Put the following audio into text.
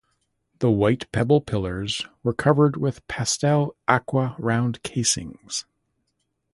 The white pebble pillars were covered with pastel aqua round casings.